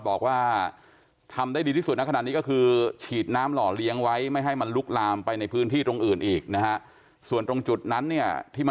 ออกมาในพื้นที่ที่กลายออกมาแล้วนะคะ